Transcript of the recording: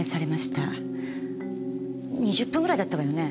２０分ぐらいだったわよね？